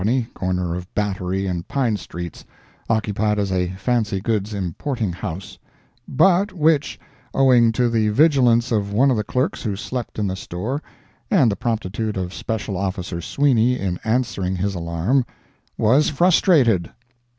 corner of Battery and Pine streets, occupied as a fancy goods importing house, but which, owing to the vigilance of one of the clerks who slept in the store, and the promptitude of Special Officer Sweeney in answering his alarm, was frustrated.